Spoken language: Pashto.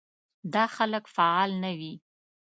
دا خلک فعال نه وي.